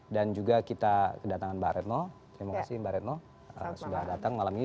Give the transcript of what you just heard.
dan juga kita kedatangan mbak retno terima kasih mbak retno sudah datang malam ini